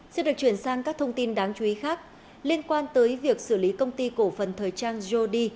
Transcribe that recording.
xin được chuyển sang các thông tin đáng chú ý khác liên quan tới việc xử lý công ty cổ phần thời trang yody